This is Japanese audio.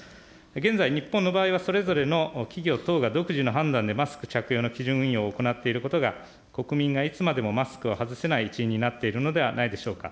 現在、日本の場合はそれぞれの企業等が独自の判断でマスク着用の基準運営を行っていることが、国民がいつまでもマスクを外せない一因になっているのではないでしょうか。